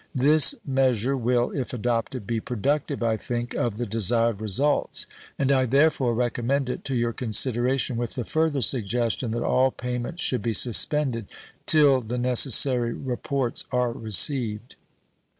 This measure will, if adopted, be productive, I think, of the desired results, and I therefore recommend it to your consideration, with the further suggestion that all payments should be suspended 'til the necessary reports are received.